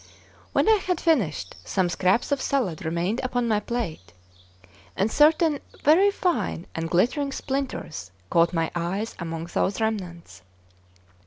When I had finished, some scraps of salad remained upon my plate, and certain very fine and glittering splinters caught my eye among these remnants.